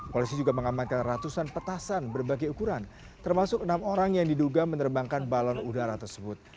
polisi juga mengamankan ratusan petasan berbagai ukuran termasuk enam orang yang diduga menerbangkan balon udara tersebut